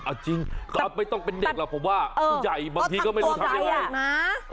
เอาจริงก็ไม่ต้องเป็นเด็กหรอกผมว่าผู้ใหญ่บางทีก็ไม่รู้ทำยังไง